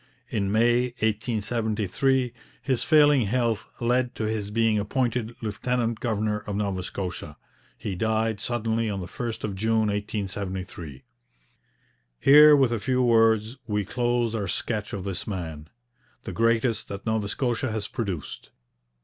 In May 1873 his failing health led to his being appointed lieutenant governor of Nova Scotia. He died suddenly on the 1st of June 1873. Here, with a few words, we close our sketch of this man, the greatest that Nova Scotia has produced.